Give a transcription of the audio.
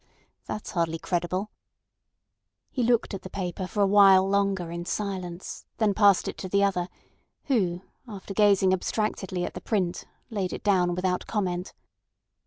H'm. That's hardly credible." He looked at the paper for a while longer in silence, then passed it to the other, who after gazing abstractedly at the print laid it down without comment.